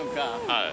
はい。